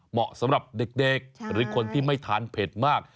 เหมาะสำหรับเด็กหรือคนที่ไม่ทานเผ็ดมาก